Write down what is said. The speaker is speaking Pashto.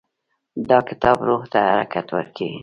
دا کتاب روح ته حرکت ورکوي.